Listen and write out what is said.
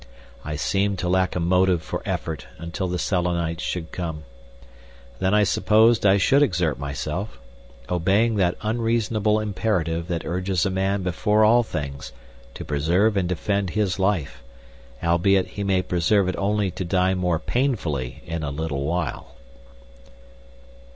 I seemed to lack a motive for effort until the Selenites should come. Then I supposed I should exert myself, obeying that unreasonable imperative that urges a man before all things to preserve and defend his life, albeit he may preserve it only to die more painfully in a little while.